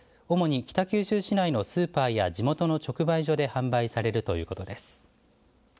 主に北九州市内のスーパーや地元の直売所で販売されるということです。